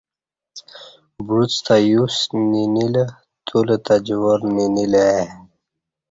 بعوڅ تہ یوس نینیلہ تولہ تہ جوار نینیلہ ا ی